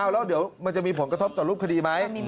แล้วเดี๋ยวมันจะมีผลกระทบต่อรูปคดีไหม